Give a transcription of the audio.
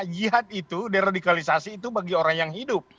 jihad itu deradikalisasi itu bagi orang yang hidup